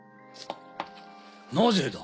なぜだ？